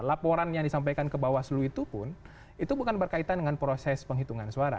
laporan yang disampaikan ke bawaslu itu pun itu bukan berkaitan dengan proses penghitungan suara